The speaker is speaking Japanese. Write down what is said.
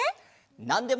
「なんでも」。